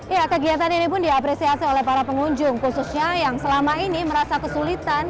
ya kegiatan ini pun diapresiasi oleh para pengunjung khususnya yang selama ini merasa kesulitan